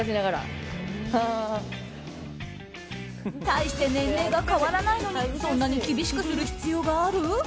大して年齢が変わらないのにそんなに厳しくする必要がある？